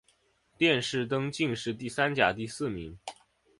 殿试登进士第三甲第四名。